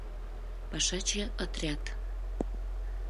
ПАШАЧЕ ОТРЯД